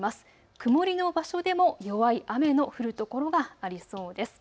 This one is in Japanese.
曇りの場所でも弱い雨の降る所がありそうです。